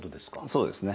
そうですね。